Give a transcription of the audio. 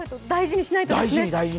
大事にしないとね。